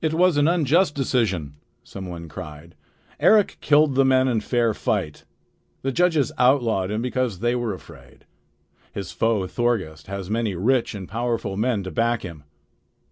"It was an unjust decision," some one cried. "Eric killed the men in fair fight. The judges outlawed him because they were afraid. His foe Thorgest has many rich and powerful men to back him."